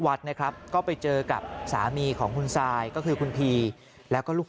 วัดนะครับก็ไปเจอกับสามีของคุณซายก็คือคุณพีแล้วก็ลูก